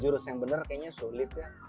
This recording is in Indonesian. jurus yang benar kayaknya sulit ya